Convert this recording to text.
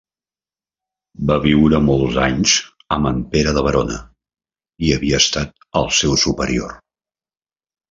Va viure molts anys amb en Pere de Verona i havia estat el seu superior.